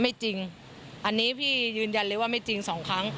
ไม่จริงอันนี้พี่ยืนยันเลยว่าไม่จริงสองครั้ง